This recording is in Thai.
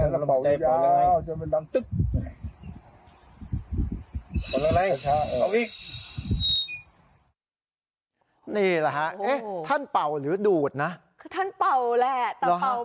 คือท่านเป่าแหละแต่เป่าแพรวดนะครับ